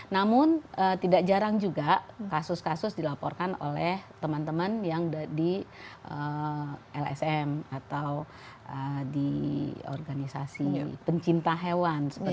namun tidak jarang juga kasus kasus dilaporkan oleh teman teman yang di lsm atau di organisasi pencinta hewan